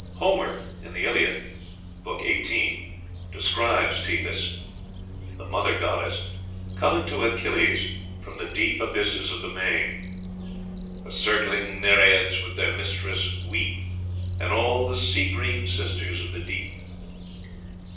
Homer (Iliad, book xviii.) describes Tethys, "the mother goddess," coming to Achilles "from the deep abysses of the main:" "The circling Nereids with their mistress weep, And all the sea green sisters of the deep."